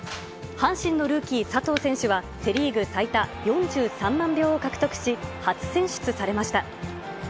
阪神のルーキー、佐藤選手は、セ・リーグ最多４３万票を獲得し、初選出されました。